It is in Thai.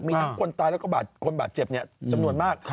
มีทั้งคนตายและคนบาดเจ็บเนี่ยจำนวนมาก